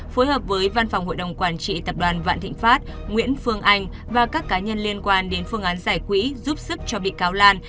phối hợp với văn phòng hội đồng quản trị tập đoàn vạn thịnh pháp nguyễn phương anh và các cá nhân liên quan đến phương án giải quỹ giúp sức cho bị cáo lan